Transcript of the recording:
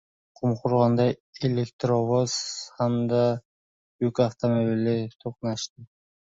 Qumqo‘rg‘onda elektrovoz hamda yuk avtomobili to‘qnashdi